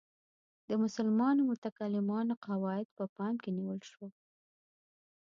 د مسلمانو متکلمانو قواعد په پام کې نیول شو.